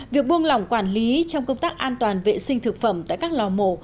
việc buông lỏng quản lý trong công tác an toàn vệ sinh thực phẩm tại các lò mổ